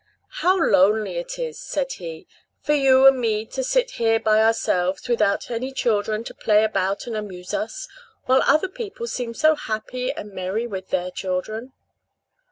"How lonely it is," said he, "for you and me to sit here by ourselves without any children to play about and amuse us, while other people seem so happy and merry with their children!"